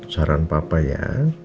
saran papa ya